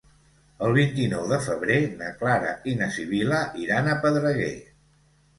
El vint-i-nou de febrer na Clara i na Sibil·la iran a Pedreguer.